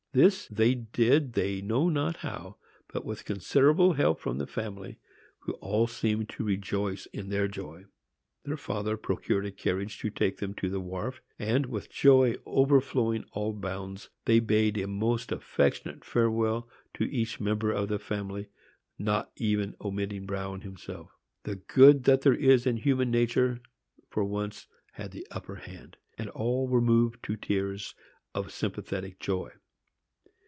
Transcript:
This they did they know not how, but with considerable help from the family, who all seemed to rejoice in their joy. Their father procured a carriage to take them to the wharf, and, with joy overflowing all bounds, they bade a most affectionate farewell to each member of the family, not even omitting Bruin himself. The "good that there is in human nature" for once had the upper hand, and all were moved to tears of sympathetic joy.